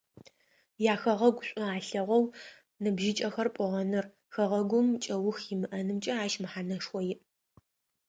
Яхэгъэгу шӏу алъэгъоу ныбжьыкӏэхэр пӏугъэныр, хэгъэгум кӏэух имыӏэнымкӏэ ащ мэхьанэшхо иӏ.